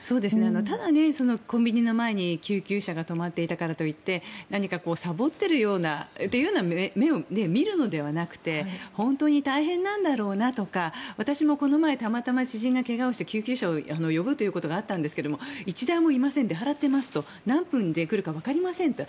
ただ、コンビニの前に救急車が止まっていたからと言ってさぼっているようなっていう目で見るのではなくて本当に大変なんだろうなとか私もこの前たまたま知人が怪我をして救急車を呼ぶことがあったんですが１台もいません、出払っています何分で来るかわかりませんと。